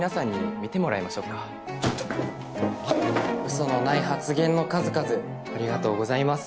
嘘のない発言の数々ありがとうございます。